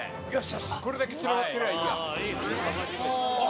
これだけ散らばってりゃいいや。